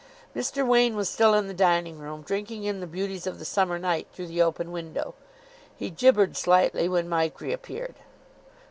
Mr. Wain was still in the dining room, drinking in the beauties of the summer night through the open window. He gibbered slightly when Mike reappeared.